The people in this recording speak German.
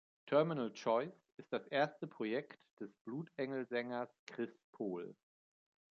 Terminal Choice ist das erste Projekt des Blutengel-Sängers Chris Pohl.